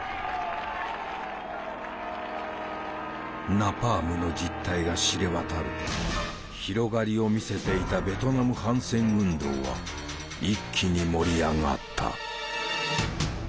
ナパームの実態が知れ渡ると広がりを見せていたベトナム反戦運動は一気に盛り上がった。